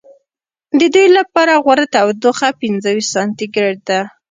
د دوی لپاره غوره تودوخه پنځه ویشت سانتي ګرېد ده.